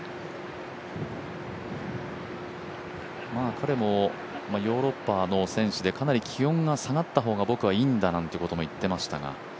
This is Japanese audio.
彼もヨーロッパの選手でかなり気温が下がった方が僕はいいんだなんてことも言っていましたが。